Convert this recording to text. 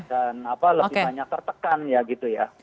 dan apa lebih banyak tertekan ya gitu ya